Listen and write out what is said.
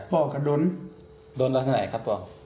พ่อก็โดนโดนลักษณะไหนครับพ่อ